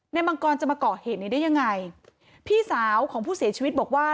มังกรจะมาเกาะเหตุนี้ได้ยังไงพี่สาวของผู้เสียชีวิตบอกว่า